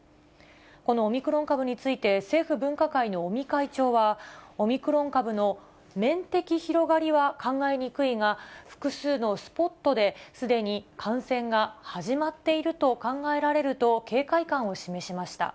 このオミクロン株について、政府分科会の尾身会長は、オミクロン株の面的広がりは考えにくいが、複数のスポットですでに感染が始まっていると考えられると警戒感を示しました。